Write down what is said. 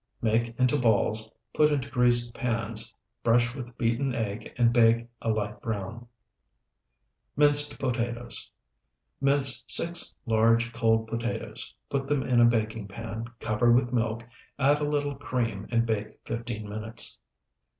Make into balls, put into greased pans, brush with beaten egg, and bake a light brown. MINCED POTATOES Mince six large, cold potatoes. Put them in a baking pan, cover with milk; add a little cream, and bake fifteen minutes.